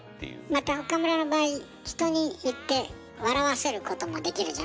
また岡村の場合人に言って笑わせることもできるじゃない？